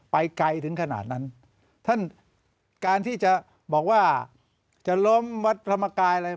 ไปไกลถึงขนาดนั้นท่านการที่จะบอกว่าจะล้มวัดพระธรรมกายอะไร